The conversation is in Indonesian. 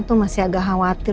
tolong jawab dengan jujur ya